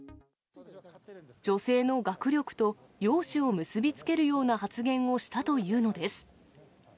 女性の学力と容姿を結び付けるような発言をしたというのです。